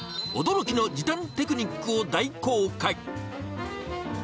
驚きの時短テクニックを大公開。